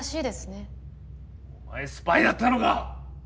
お前スパイだったのか！？